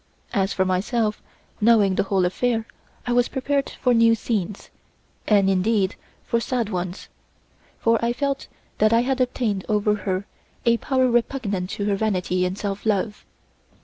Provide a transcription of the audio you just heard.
As for myself, knowing the whole affair, I was prepared for new scenes, and indeed for sad ones, for I felt that I had obtained over her a power repugnant to her vanity and self love.